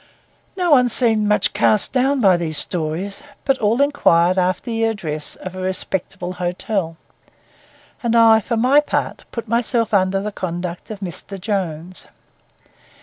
No one seemed much cast down by these stories, but all inquired after the address of a respectable hotel; and I, for my part, put myself under the conduct of Mr. Jones.